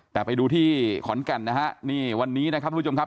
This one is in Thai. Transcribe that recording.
แต่ไปดูที่ขอนแก่นนะฮะนี่วันนี้นะครับทุกผู้ชมครับ